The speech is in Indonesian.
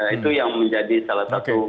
itu yang menjadi salah satu